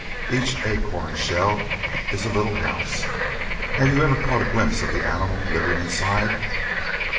Each Acorn Shell is a little house. Have you ever caught a glimpse of the animal living inside?